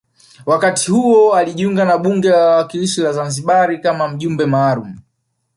Wakati huo alijiunga na bunge la wawakilishi la Zanzibar kama mjumbe maalum